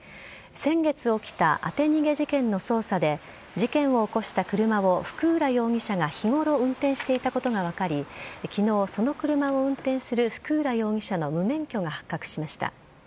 先月起きた当て逃げ事件の捜査で事件を起こした車を福浦容疑者が日頃、運転していたことが分かり昨日その車を運転する福浦容疑者の無免許が発覚しました。